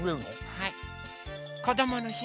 はい。